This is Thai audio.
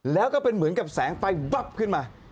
แล้วก็เป็นเหมือนกับแสงไฟวับขึ้นมา